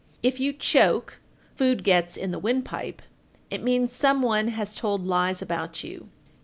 If you choke (food gets in the windpipe), it means some one has told lies about you.